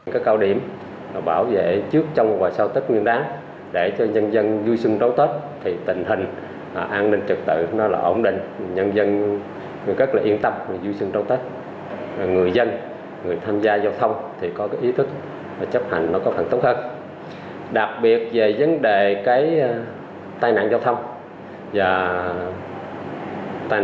các cao điểm bảo vệ trước trong và sau tết nguyên đáng để cho nhân dân vui sưng đấu tết tình hình an ninh trật tự ổn định nhân dân rất yên tâm vui sưng đấu tết